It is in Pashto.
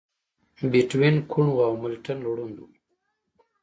بيتووين کوڼ و او ملټن ړوند و.